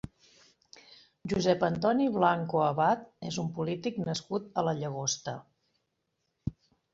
Josep Antoni Blanco Abad és un polític nascut a la Llagosta.